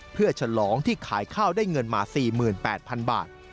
เพื่อฉลองที่ขายข้าวได้เงินมา๔๘๐๐๐บาท